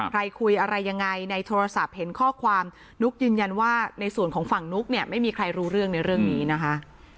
ใครคุยอะไรยังไงในโทรศัพท์เห็นข้อความนุ๊กยืนยันว่าในส่วนของฝั่งนุ๊กเนี่ยไม่มีใครรู้เรื่องในเรื่องนี้นะคะ